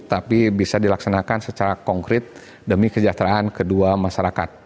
tapi bisa dilaksanakan secara konkret demi kesejahteraan kedua masyarakat